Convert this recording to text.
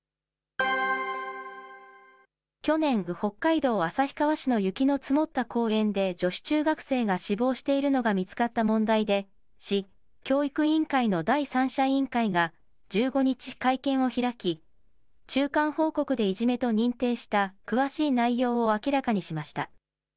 去年、北海道旭川市の雪の積もった公園で、女子中学生が死亡しているのが見つかった問題で、市教育委員会の第三者委員会が、１５日会見を開き、中間報告でいじめと認定した詳しい内容を明らかにしました。